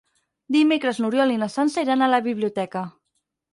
Dimecres n'Oriol i na Sança iran a la biblioteca.